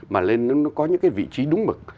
mà nó có những cái vị trí đúng mực